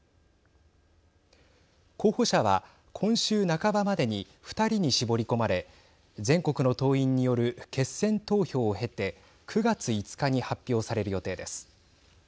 候補者は、今週半ばまでに２人に絞り込まれ全国の党員による決選投票を経て９月５日に発表される予定です。